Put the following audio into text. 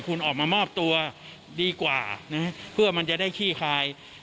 คุณออกมามอบตัวดีกว่านะฮะเพื่อมันจะได้ขี้คาย